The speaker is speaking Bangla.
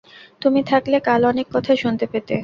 তুমি থাকলে কাল অনেক কথা শুনতে পেতে।